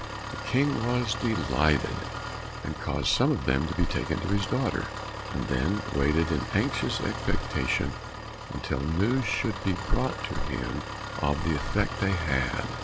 The King was delighted, and caused some of them to be taken to his daughter, and then waited in anxious expectation until news should be brought to him of the effect they had.